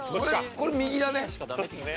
これ右だ。